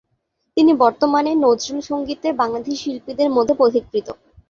তিনি বর্তমানে নজরুল সঙ্গীতে বাংলাদেশী শিল্পীদের মধ্যে পথিকৃৎ।